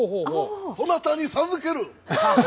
そなたに授ける。